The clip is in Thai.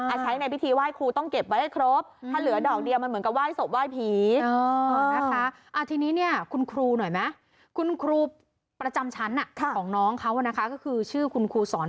อ่าใช้ในพิธีไหว้ครูต้องเก็บไว้ให้ครบอืม